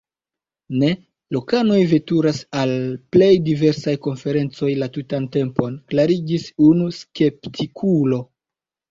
Ne, lokanoj veturas al plej diversaj konferencoj la tutan tempon, klarigis unu skeptikulo.